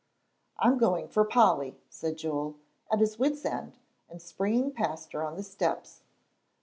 "I'm going for Polly," said Joel, at his wits' end, and springing past her on the steps.